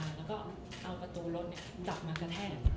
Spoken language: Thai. แล้วก็เอาประตูรถกลับมากระแทก